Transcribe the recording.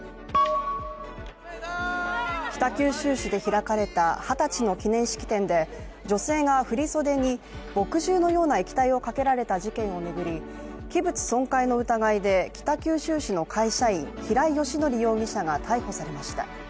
北九州市で開かれた二十歳の記念式典で女性が振り袖に墨汁のような液体をかけられた事件を巡り、器物損壊の疑いで、北九州市の会社員平井英康容疑者が逮捕されました。